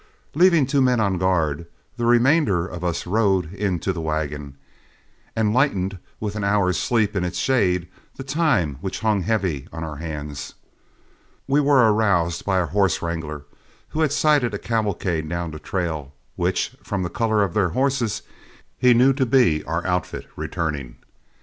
Leaving two men on guard, the remainder of us rode in to the wagon, and lightened with an hour's sleep in its shade the time which hung heavy on our hands. We were aroused by our horse wrangler, who had sighted a cavalcade down the trail, which, from the color of their horses, he knew to be our outfit returning.